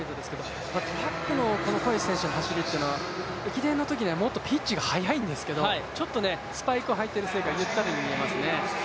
トラックのコエチ選手の走りというのは、駅伝の時はもっとピッチが速いんですけどちょっとスパイクを履いているせいか、ゆったり見えますね。